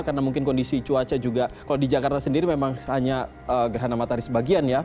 karena mungkin kondisi cuaca juga kalau di jakarta sendiri memang hanya gerhana matahari sebagian ya